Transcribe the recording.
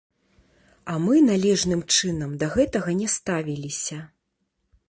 А мы належным чынам да гэтага не ставіліся.